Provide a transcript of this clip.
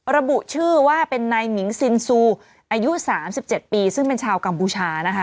ระบุชื่อว่าเป็นนายมิงซินซูอายุ๓๗ปีซึ่งเป็นชาวกัมพูชานะคะ